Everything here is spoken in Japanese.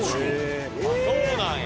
あっそうなんや！